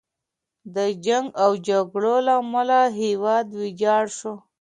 د جنګ او جګړو له امله هیواد ویجاړ شو.